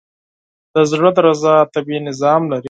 د زړه درزا طبیعي نظام لري.